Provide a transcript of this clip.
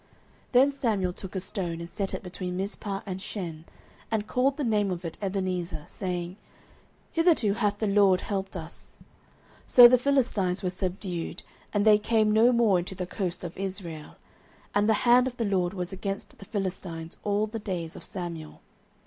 09:007:012 Then Samuel took a stone, and set it between Mizpeh and Shen, and called the name of it Ebenezer, saying, Hitherto hath the LORD helped us. 09:007:013 So the Philistines were subdued, and they came no more into the coast of Israel: and the hand of the LORD was against the Philistines all the days of Samuel.